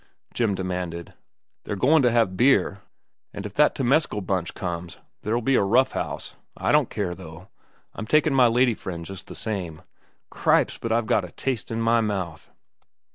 Jim demanded. "They're goin' to have beer, an' if that Temescal bunch comes, there'll be a rough house. I don't care, though. I'm takin' my lady friend just the same. Cripes, but I've got a taste in my mouth!"